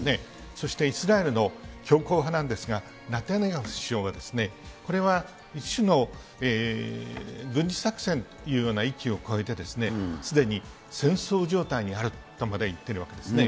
そしてイスラエルの強硬派なんですが、ネタニヤフ首相がこれは一種の軍事作戦というような域を超えて、すでに戦争状態にあるとまで言っているわけですね。